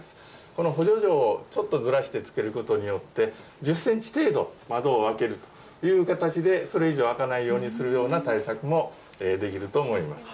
この補助錠をちょっとずらしてつけることによって、１０センチ程度窓を開けるという形で、それ以上開かないようにするような対策もできると思います。